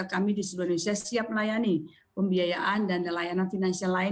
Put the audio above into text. dan juga kami di seluruh indonesia siap melayani pembiayaan dan layanan finansial lain